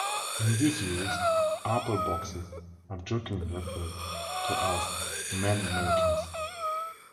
In this use Apple Boxes are jokingly referred to as "Man Makers".